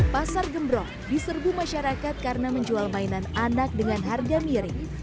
pasar gembrong diserbu masyarakat karena menjual mainan anak dengan harga miring